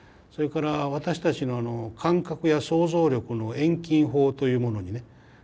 それから私たちの感覚や想像力の遠近法というものにね